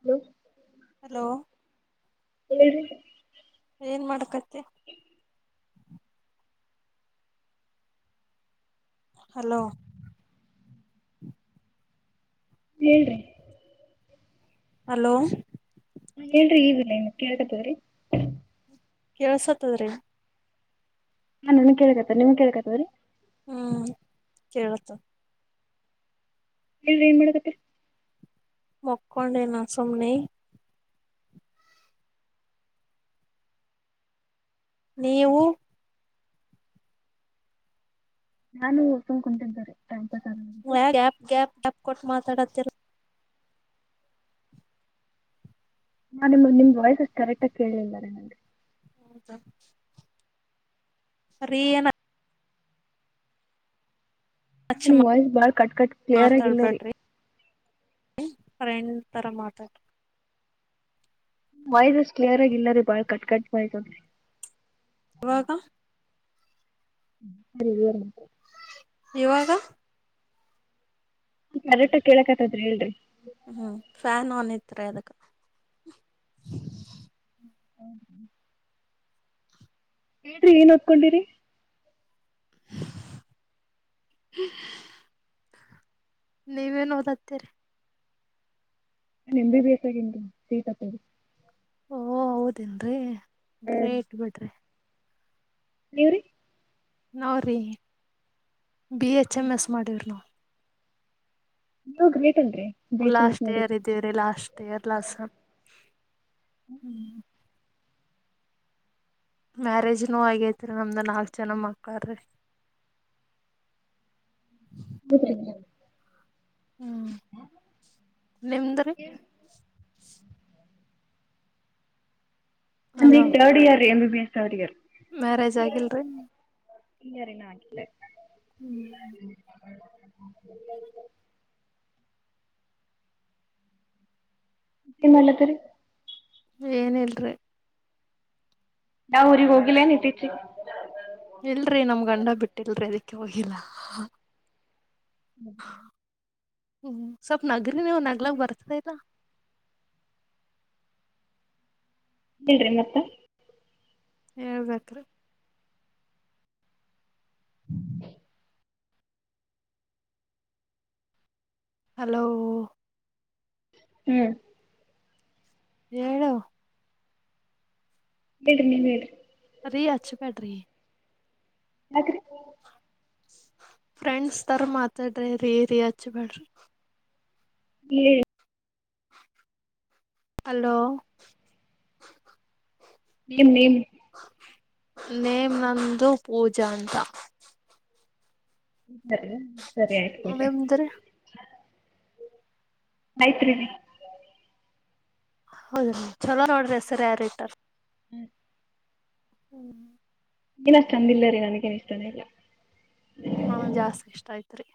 Hello hello ಹೇಳಿ. ಏನ್ ಮಾಡಕತ್ತಿ. [inaudible] Hello ಹೇಳಿ ರೀ. ಹಲೋ ನ್ಹೇಳ್ರಿ ಈಗಿಲ್ ಕೇಳ್ತತೊಗೋರಿ. ಕೇಳ್ಸತ್ತದ್ರೀ. ನಾ ನನ್ ಕೇಳ ಕತ್ ನಿಮ್ ಕೇಳ ಕತರೀ. ಹ್ಮ್ ಕೇಳತ. ಹೇಳಿರಿ ಏನ್ ಮಾಡಕತ್ತಿ. ಮಕ್ಕೊಂಡೆನೆ ಸುಮ್ನೆ. ನೀವು ನಾನು ಸುಮನ್ ಕುಂತಿದೆರಿ. ಯಾಗ್ ಗ್ಯಾಪ್ ಗ್ಯಾಪ್ ಗ್ಯಾಪ್ ಕೊಟ್ ಮಾತಾಡಕತ್ತಿರಿ. ನಾ ನಿಮ್ದ ನಿಮ್ದ ವಾಯಿಸ್ಸಷ್ಟು ಕರೆಕ್ಟ್ಆಗಿ ಕೇಳಿಲ್ಲ ನನ್ಗೆ. ರೀ ಏನ. ಹಚ್ ನಿಮ್ಮ ವಾಯ್ಸ್ ಬಾಳ್ ಕಟ್ ಕಟ್ ಕ್ಲಿಯರ್ ಆಗಿ ಇಲ್ಲರಿ. ಹ್ ಫ್ರೆಂಡ್ ತರ ಮಾತಾಡ್ರಿ. ವಾಯಿಸ್ ಅಷ್ಟ ಕ್ಲಿಯರ್ ಆಗ ಇಲ್ಲರಿ ಬಾಳ್ ಕಟ್ ಕಟ್ ಇವಾಗ. ಕ್ಲಿಯರ್ ಅಯ್ತಿ. ಇವಾಗ. ಕರೆಕ್ಟಗ ಕೇಳಕತ್ತಿ ಹೇಳ್ರಿ. ಹ್ಮ್ ಫ್ಯಾನ್ ಆನ್ ಇತ್ರಿ ಅದಕ. [inaudible] ರಿ ಏನ್ ಓತ್ಕೊಂಡಿರಿ. ಹೆಂ ನೀವೇನ್ ಓದತ್ತೀರಿ. ಎಮ್. ಬಿ. ಎಸ್. ಆಗೀನಿರಿ [inaudible] ಓ ಹೌದೇನ್ರೀ ಗ್ರೇಟ್ ಬಿಡ್ರಿ. ನೀವ್ರಿ. ನಾವ್ರೀ ಬಿ ಎಚ್ ಎಮ್ ಎಸ್ ಮಾಡಿವ್ರಿ ನಾವ್. ನೀವ್ ಗ್ರೇಟ್ ಅಲರಿ. ಲಾಸ್ಟ್ ಇಯರ್ ಇದ್ದೀವ್ರೀ ಲಾಸ್ಟ್ ಇಯರ್ ಲಾಸಮ್ ಹ್ಮ್. ಮ್ಯಾರೇಜ್ನುೂ ಆಗೇತ್ರಿ ನಾಲ್ಕಜನಾ ಮಕ್ಲಾರಿ. ಬುದ್ರಿಂದ. ಹ್ಮ್ ನಿಮ್ದ್ರೀ. ಕೆ [inaudible] ಅಲೋ ನಮ್ದೀಗ್ ತರ್ಡ್ ಇಯರ್ರೀ M B B S third year marriage ಆಗಿಲ್ರಿ ನಿಂಗ್ಯಾರಿಲ್ಲ ಅಷ್ಟೆ ಹ್ಮ್ ಏನ್ ಮಾಡ್ಲಾತ್ತೀರಿ ಏನಿಲ್ರಿ ನಾ ಊರಿಗೋಗಿಲ್ಲೆನ್ ಇತ್ತೀಚೆಗಿ ಇಲ್ರಿ ನಮ್ ಗಂಡ ಬಿಟ್ಟಿಲ್ರಿ ಅದಕ್ಕೆ ಹೋಗಿಲ್ಲಾ [unintelligible] ಹ್ಮ್ ಸ್ವಲ್ಪ್ ನಗ್ರಿ ನೀವು ನಗ್ಲಾಕ್ ಬರ್ತ ಇಲ್ಲ ಹೇಳ್ರಿ ಮತ್ತ ಹೇಳ್ಬೇಕ್ರೀ [inaudible] ಹಲೋ ಹ್ಮ್ ಏಳು ಬಿಡ್ರಿ ನೀವ್ ಹೇಳ್ರಿ ರೀ ಅಚ್ಚಿ ಬ್ಯಾಡರಿ ಯಾಕ್ರಿ ಫ್ರೆಂಡ್ಸ್ ಥರ ಮಾತಾಡ್ರಿ ರೀ ರಿ ಹಚ್ಬ್ಯಾಡ್ರಿ [unintelligible] [unintelligible] ಅಲೋ [unintelligible] [inaudible] [unintelligible] ನೇಮ್ ನಂದು ಪೂಜಾ ಅಂತ [unintelligible] ಸರಿ ಆಯ್ತುಬಿಡ್ರಿ ನಿಮ್ದ್ರಿ ಮೈತ್ರಿ ರಿ ಹೌದ ಚಲೋ ನೋಡ್ರಿ ಹೆಸರಿ ಯಾರ ರಿಇಟರ್ [unintelligible] [unintelligible] ಎನಶ್ಟ ಚಂದಿಲ್ಲ ರೀ ನನಗೇನ್ ಇಷ್ಟಾನೆ ಇಲ್ಲ ಜಾಸ್ತಿ ಇಷ್ಟ ಅತ್ ರೀ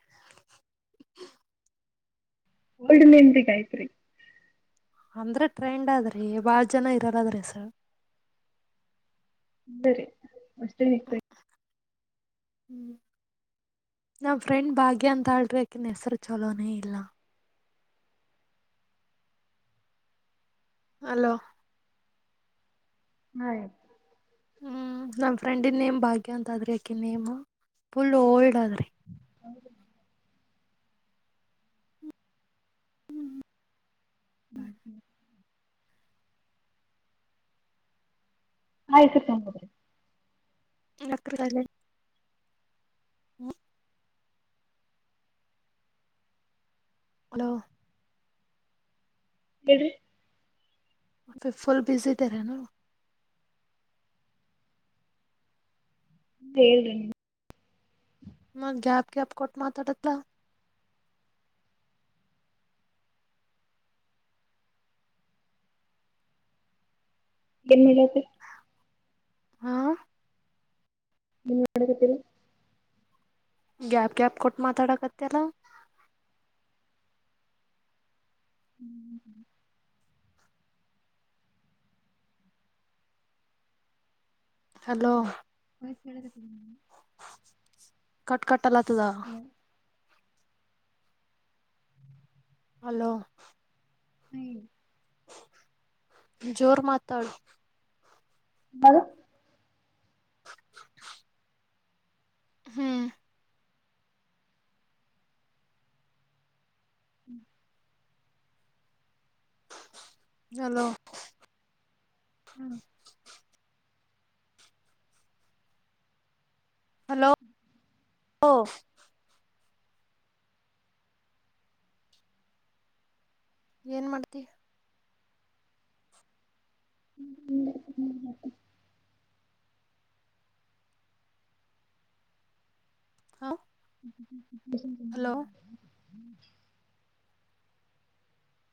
ಓಲ್ಡ್ ನೆನ್ಪಿಗ ಆ ಐತ್ರಿ ಅಂದ್ರೆ ಟ್ರೆಂಡ್ ಆದ್ರಿ ಬಾಳ ಜನ ಇರದದ್ರಿ ಸರ್ ಬರಿ ಅಷ್ಟೇ ನಿತ ಹ್ಮ್ ನಮ್ಮ್ ಫ್ರೆಂಡ್ ಭಾಗ್ಯ ಅಂತ ಆಳ್ರಿ ಅಕಿನ್ ಹೆಸರು ಚಲೋನೇ ಇಲ್ಲ. ಹಲೋ [inaudible] ನಮ ಫ್ರೆಂಡನ್ ನೇಮ್ ಭಾಗ್ಯ ಅಂತ ಅ ಆದ್ರಿ ಅಕಿ ನೇಮ್ ಫುಲ್ ಓಲ್ಡ್ ಆದದ್ರಿ [unintelligible] [unintelligible] ಆಯ್ತು ನಕ್ಕರದಲ್ಲಿ [unintelligible] [unintelligible] [unintelligible] [unintelligible] ಮತ್ತೆ ಫುಲ್ ಬ್ಯುಸಿ ಅದಿರೇನು? ಹೇಳ್ರಿ ಮತ್ತ್ ಗ್ಯಾಪ್ ಗ್ಯಾಪ್ಪ ಕೊಟ್ಟು ಮಾತಾಡ [unintelligible] ಏನ್ [unintelligible] [unintelligible] ಹಾ ನಿ ಎನ್ ಮಾಡಕತ್ತಿ. ಗ್ಯಾಪ್ ಗ್ಯಾಪ್ ಕೊಟ್ಟು ಮಾತಾಡಕತ್ತಿ ಅಲಾ. ಹ್ಞೂ [unintelligible] ಹಲೋ ಹೋಗಿ ಕೇಳಾಕತ್ತಿ ನೀನೇ. ಕಟ್ ಕಟ್ಟ ಆಲತ್ತಾದ ಹಲೋ ಹಲೋ ಹ್ಮ [unintelligible] [unintelligible] ಜೋರ್ ಮಾತಾಡು ಹಲೋ [unintelligible] ಹ್ಮ್ ಹ್ಮ್ [unintelligible] ಹಲೋ ಹ್ಮ ಹಲೋ ಏನ್ ಮಾಡ್ತಿ ಹ್ಮ್ ಹ್ಮ ಹ್ಮ ಹಾ [unintelligible] [inaudible] ಹಲೋ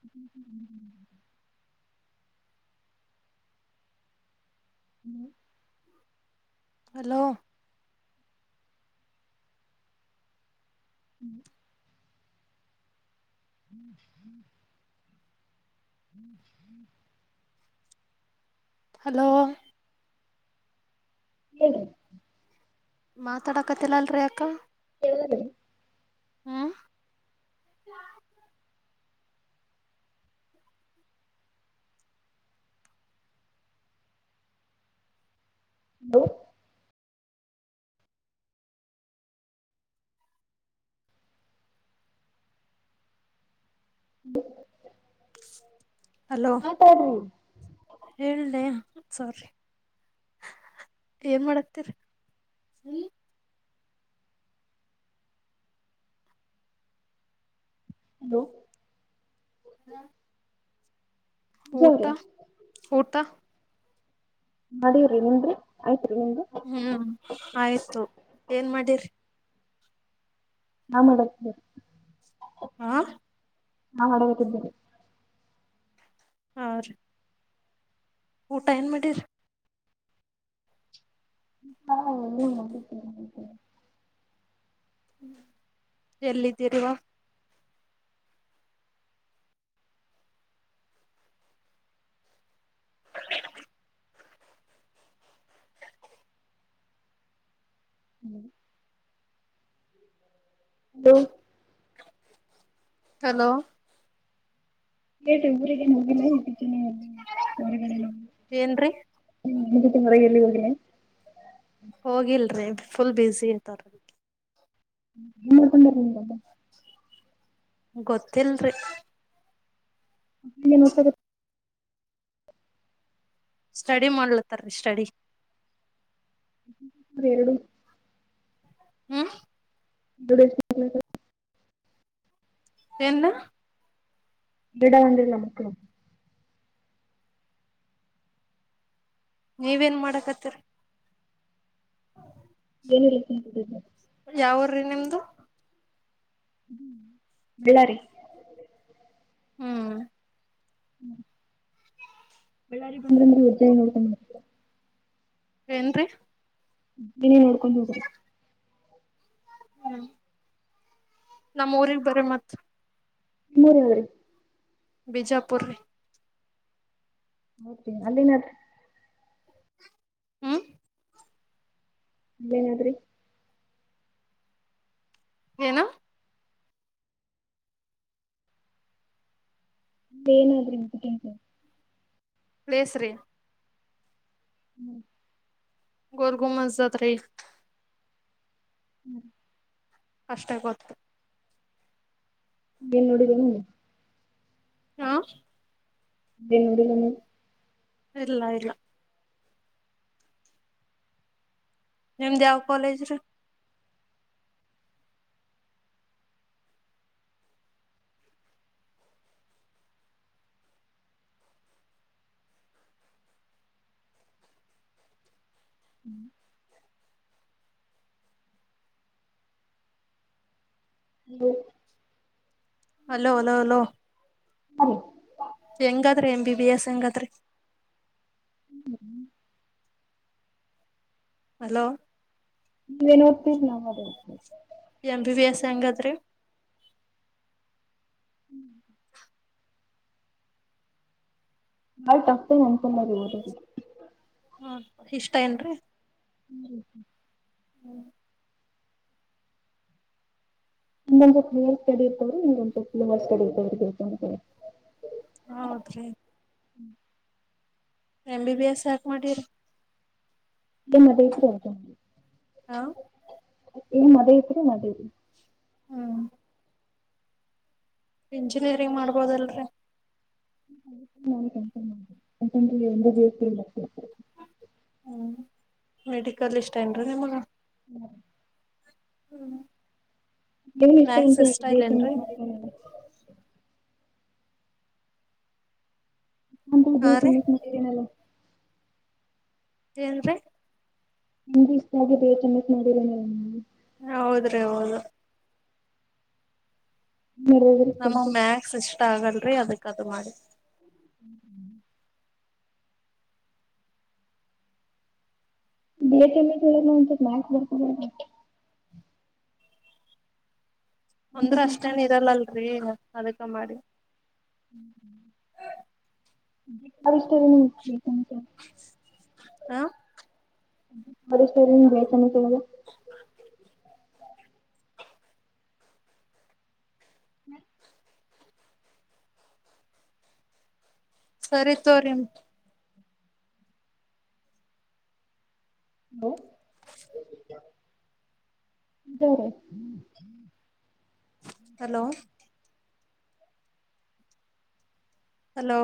ಹ್ಮ ಹ್ಮ [unintelligible] ಹ್ಞೂ [inaudible] ಹಲೋ ಹ್ಮ್ [unintelligible] [inaudible] [inaudible] ಹಲೋ ಹಏ [unintelligible] ಮಾತಾಡಕತ್ತಿಲ್ಲ ಅಲ್ರಿ ಯಾಕ? ಕೇಳಲರಿ? ಹ್ಮ [unintelligible] [unintelligible] [unintelligible] ಹ್ಮ [unintelligible] ಹಲೋ ಮಾತಾಡ್ರಿ ಹೇಳ್ದೆ ಸಾರೀ ಏನ್ ಮಾಡಕತ್ತೀರಿ [unintelligible] ಹಲೋ ಹ ಪೂಜಾ ಊಟ ಅವ್ರೆ ಊಟ ಮಾಡೇವ್ರಿ ನಿಮ್ರಿ ಆಯ್ತ್ರಿ ನಿಮ್ದು ಹ್ಮ್ ಆಯ್ತು ಏನ್ ಮಾಡಿರಿ ನಾ ಮಾಡಾಕತ್ತೀ ಉರಿ ಹಾ ನಾಮಾಡಬೇಕಿದ್ದೀರಿ ಹಾ ರೀ ಊಟ ಏನು ಮಾಡಿರಿ ಹಾ ಹೋಗಿ ಹೋಗಿದ್ದೆ ಮಲಿಕಡಿ ಎಲ್ಲಿದ್ದಿರವ್ವ ಹ ಹ್ಮ್ ಹಲೋ ಹಲೋ ಏ ಊರಿಗೆ ಹೋಗಲ್ಲ ಹೇತಿದ್ದೀನ ಹೊರಗಡೆ ನೋ ಏನ್ರೀ ಹ್ಮ ನಿ ತಿಂಗ್ರ ಎಲ್ಲಿ ಒಳ್ಳನೆ ಹೋಗಿಲ್ರಿ ಫುಲ್ ಬಿಜಿ ಇದರ ಡ ನಿ [inaudible] ಗೊತ್ತಿಲ್ರಿ ಮನು [inaudible] ಸ್ಟಡಿ ಮಾಡ್ಲತ್ತಾರೀ ಸ್ಟಡಿ ಎರಡು ಹ್ಮ [unintelligible] ಎಲ್ಲ ಗಿಡ ಒಂದಿಲ್ಲ ಮಕ್ಕಳು ನೀವೇನ್ ಮಾಡಕ್ತರಿ ಹ ಏನ್ ರದು ಯಾವೂರು ನಿಮ್ದು ಬಳ್ಳಾರಿ ಹ್ಮ್ ಹ್ಮ್ ಬಳ್ಳಾರಿ ಬಂದ್ರಂದಜ ನೋಡ್ [unintelligible] ಏನ್ ರೀ ನೀನೇ ನೋಡ್ಕೊಂಡ್ ಹೋಗ್ರಿ ಹ್ಮ್ ನಮ್ಮ ಊರಿಗ್ ಬರ ಮತ್ ಮೂರುವರಿ ಬಿಜಾಪುರ್ ರೀ ಹೋತ್ ಅಲ್ಲಿನತ್ರ ಹ್ಮ್ ಇನ್ನೇನಾದ್ರಿ ಏನು ಏನಾದ್ರೂ [unintelligible] ಪ್ಲೇಸ್ರೀ ಹ್ಮ್, ಗೋಲ್ ಗುಂಬಜ್ ಹತ್ರ [unintelligible] ಹ್ಮ್ [inaudible] ಅಷ್ಟೇ ಗೊತ್ತು,. ಏನ್ ನೋಡಿದೇನೆ? ಹಾ, ದಿನ್ ದಿನನು [unintelligible] ಇಲ್ಲ, ಇಲ್ಲ ನಿಮ್ದ ಯಾವ್ ಕಾಲೇಜು ರೀ. ಹ್ಞೂ [inaudible] ಹ [unintelligible] ಅಲೋ ನಾನು ಸರಿ [inaudible] ಹೆಂಗಾದ್ರಿ ಎಂ, ಬಿ, ಬಿ, ಎಸ್ ಹೆಂಗಾದ್ರಿ ಹಲೋ, ನೀ ಓದ್ತಿದ್ ಯಾವುದ [unintelligible] ಎಂ, ಬಿ, ಬಿ, ಎಸ್ ಹೆಂಗಾದ್ರಿ [inaudible] ಆಯತ ಅಟ್ಟು [unintelligible] ಒಂದ ಸಲಾರೆ ಓದದ ಹಾ, ಇಷ್ಟ ಏನ್ರಿ,. ಹ್ಮ್ [inaudible] ಹ್ಞ [inaudible] ಇಲ್ಲೊಂದು ಕ್ಲಿಯರ್ ಸ್ಟಡಿ ಇದ್ದೋರು [unintelligible] ಹಾ, okay M, B, B, S ಯಾಕ್ ಮಾಡಿರಿ? ಏಮ ಅದ ಇತ್ತ ರಿ ಅದ್ಕ ಮಾಡಿನ ಹ ಏಮ ಅದ ಇತ್ತ ರಿ ಅದ್ಕ [unintelligible] ಹ್ಮ್, ಇಂಜಿನಿಯರಿಂಗ್ ಮಾಡ್ಬೋದಲ್ರಿ, [unintelligible] ಹ್ಮ್, ಮೆಡಿಕಲ್ ಇಷ್ಟ ಏನ್ರೀ ನಿಮ್ಗ. ಹ್ಮ [inaudible] ಹ್ಮ್, ಏನ್ ಮ್ಯಾಕ್ಸ್ ಅಂತ ಇಷ್ಟ ಬಿ ಎಸ್ ಎಂ ಇಲ್ಲೇನ್ರಿ ಎಸ್ ಮಾಡಿರನಲ್ಲ ಹಾ ರೀ [inaudible] [unintelligible] ನಿಮಗೆ ಇಷ್ಟ ಆಗ್ಬೇಕ [unintelligible] ಹೌದ್ರೀ, ಹೌದು [unintelligible] ನಮಗ್ ಮ್ಯಾಕ್ಸ್ ಇಷ್ಟ ಆಗಲ್ರಿ ಅದಕ್ ಅದು ಮಾಡಿಲ್ ಹ್ಮ ಹ್ಮ [inaudible] [unintelligible] ಅಂದ್ರೆ ಅಷ್ಟೇನು ಇರಲ್ಲ ಅಲ್ಲರಿ ಅದಕ್ಕ ಮಾಡಿ ಹ್ಞೂ ಹ್ಞೂ [unintelligible] ಕ ಸ್ಟೋರಿ [inaudible] ಹ ಬರಿಷ್ಟ್ ಬೇತನೆದು [unintelligible] ಹ್ಮ ಸರಿ ತೋರಿ ಹಲೋ ಹಲೋ ಹಲೋ